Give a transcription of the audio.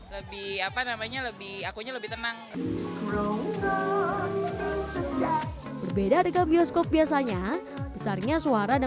lebih apa namanya lebih akunya lebih tenang bro berbeda dengan bioskop biasanya besarnya suara dan